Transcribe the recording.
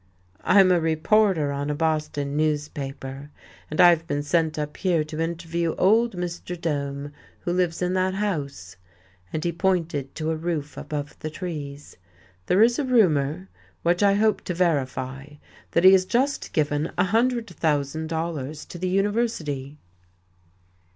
"I'm a reporter on a Boston newspaper, and I've been sent up here to interview old Mr. Dome, who lives in that house," and he pointed to a roof above the trees. "There is a rumour, which I hope to verify, that he has just given a hundred thousand dollars to the University."